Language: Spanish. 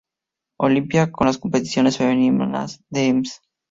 Olympia, como las competiciones femeninas de Ms.